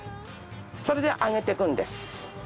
それで揚げてくんです。